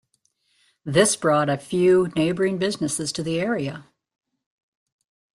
This brought a few neighbouring businesses to the area.